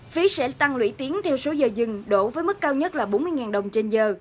phí sẽ tăng lũy tiến theo số giờ dừng đổ với mức cao nhất là bốn mươi đồng trên giờ